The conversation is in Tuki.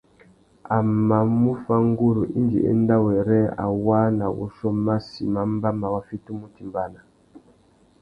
A mà mú fá nguru indi enda wêrê a waā nà wuchiô massi mà mbáma wa fitimú utimbāna.